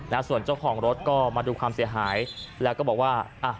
นะส่วนเจ้าของรถก็มาดูความเสียหายแล้วก็บอกว่าอ่ะ